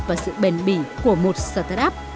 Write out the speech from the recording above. và sự bền bỉ của một startup